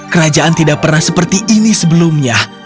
kerajaan tidak pernah seperti ini sebelumnya